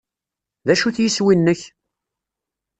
D acu-t yiswi-nnek?